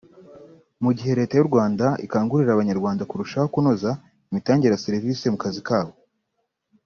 Mu gihe Leta y’u Rwanda ikangurira Abanyarwanda kurushaho kunoza imitangire ya service mu kazi kabo